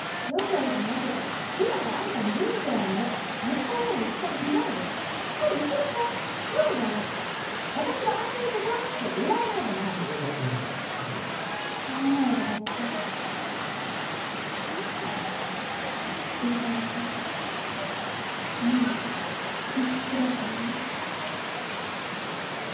余生じゃなくて今があんたの人生なのもったいない生き方しないでしっかり生きなさいそうじゃなきゃ私が安心して小学生でいられないじゃないわ分かった分かったよ怒らないであげてお父さんはただママのことすごく好きだったんだよ